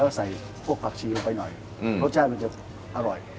ก็ใส่พวกผักชีลงไปหน่อยรสชาติมันจะอร่อย